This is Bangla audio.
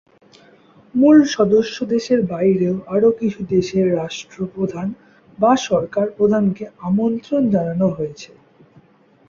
মূল সদস্য দেশের বাইরেও আরো কিছু দেশের রাষ্ট্র প্রধান /সরকার প্রধানকে আমন্ত্রণ জানানো হয়েছে।